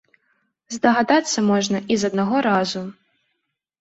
Здагадацца можна і з аднаго разу.